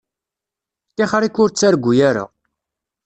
Tixeṛ-ik ur ttargu ara.